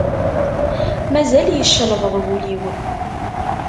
Mazal yeccelbeḍ wul-iw.